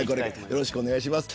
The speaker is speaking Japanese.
よろしくお願いします。